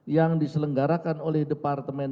yang diselenggarakan oleh departemen